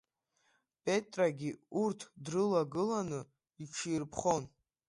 Петрагьы урҭ дрылагыланы иҽирԥхон.